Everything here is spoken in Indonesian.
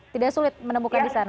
tidak sulit menemukan di sana